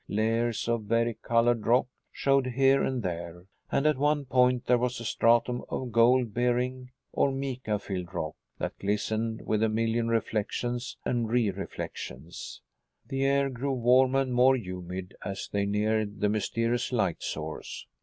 Layers of vari colored rock showed here and there, and, at one point there was a stratum of gold bearing or mica filled rock that glistened with a million reflections and re reflections. The air grew warmer and more humid as they neared the mysterious light source.